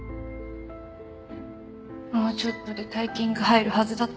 もうちょっとで大金が入るはずだったのに。